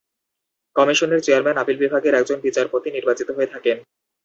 কমিশনের chairman appeal বিভাগের একজন বিচারপতি নির্বাচিত হয়ে থাকেন।